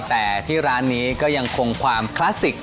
แต่ที่ร้านนี้ก็ยังคงความคลาสสิก